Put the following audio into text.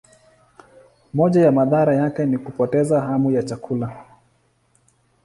Moja ya madhara yake ni kupoteza hamu ya chakula.